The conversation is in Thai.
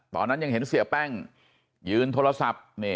ตอนนั้นยังเห็นเสียแป้งยืนโทรศัพท์